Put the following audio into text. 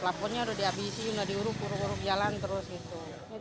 pelaponnya udah dihabisi udah diuruk uruk jalan terus gitu